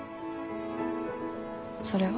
それは。